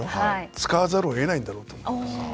使わざるを得ないんだろうと思います。